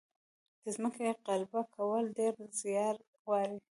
د ځمکې قلبه کول ډیر زیار غواړي.